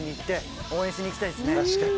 確かに。